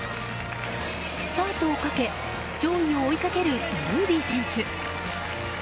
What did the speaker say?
スパートをかけ上位を追いかけるドルーリー選手。